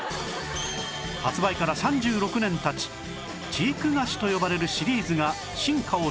発売から３６年経ち知育菓子と呼ばれるシリーズが進化を遂げ